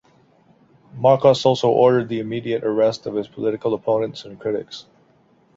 Marcos also ordered the immediate arrest of his political opponents and critics.